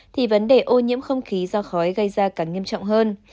thì vấn đề ô nhiễm không khí do khói gây ra càng nghiêm trọng hơn